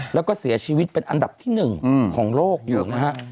แล้วก็เสียชีวิตเป็นอันดับที่๑ของโลกอยู่นะฮะ